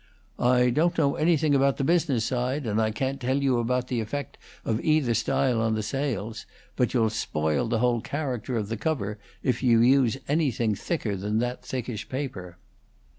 "I don't know anything about the business side, and I can't tell about the effect of either style on the sales; but you'll spoil the whole character of the cover if you use anything thicker than that thickish paper."